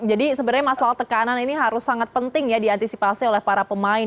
jadi sebenarnya masalah tekanan ini harus sangat penting ya diantisipasi oleh para pemain